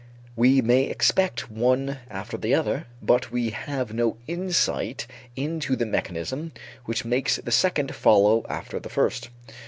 We may expect one after the other, but we have no insight into the mechanism which makes the second follow after the first.